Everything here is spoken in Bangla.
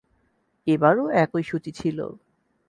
এবারও একই সূচি ছিল।